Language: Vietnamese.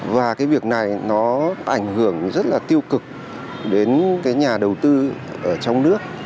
và cái việc này nó ảnh hưởng rất là tiêu cực đến cái nhà đầu tư ở trong nước